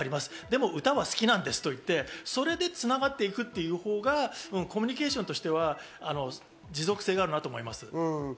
でも歌は好きなんですと言って、それで繋がっていくというほうがコミュニケーションとしては持続性があるなと思います。